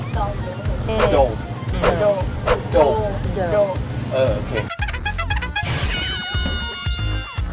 โดวะหรอ